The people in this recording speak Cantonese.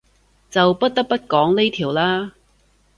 就不得不講呢條喇